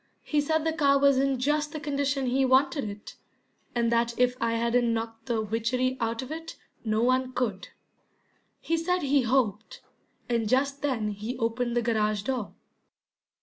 He said the car was in just the condition he wanted it, and that if I hadn't knocked the witchery out of it no one could. He said he hoped and just then he opened the garage door.